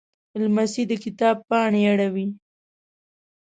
لمسی د کتاب پاڼې اړوي.